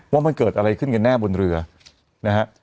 ว่ามันเกิดอะไรขึ้นกันแน่บนเรือนะฮะ